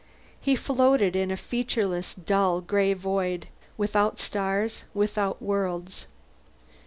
He floated in a featureless dull gray void, without stars, without worlds.